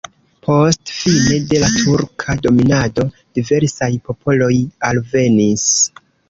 Post fine de la turka dominado diversaj popoloj alvenis.